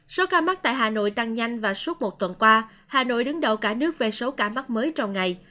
số ca mắc tại hà nội tăng nhanh và suốt một tuần qua hà nội đứng đầu cả nước về số ca mắc mới trong ngày